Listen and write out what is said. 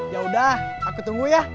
ya udah aku tunggu ya